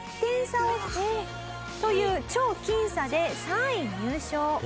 えっ！という超僅差で３位入賞。